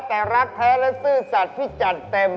แต่รักแพ้และซื้อสัสพี่จัดเต็ม